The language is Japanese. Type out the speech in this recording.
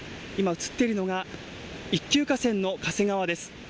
そして今、映っているのが１級河川の嘉瀬川です。